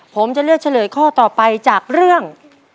ผมจะเลือกเฉลยข้อต่อไปจากเรื่อง